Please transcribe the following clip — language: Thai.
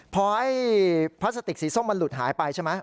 พอไอ้พลาสติกสีส้มมันหลุดหายไปใช่ไหม